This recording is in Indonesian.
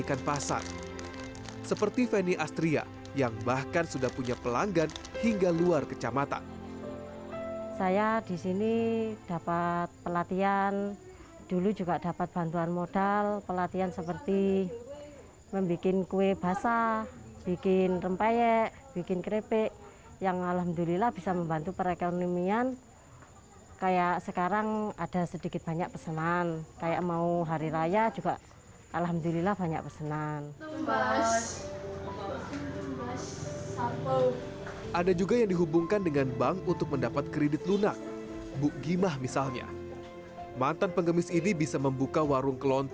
kampung topeng jawa timur